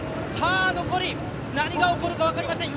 残り何が起こるか分かりません。